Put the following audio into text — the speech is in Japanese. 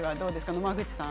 野間口さん